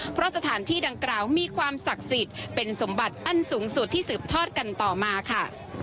เพราะสถานที่ดังกล่าวมีความศักดิ์สิทธิ์เป็นสมบัติอันสูงสุดที่สืบทอดกันต่อมาค่ะ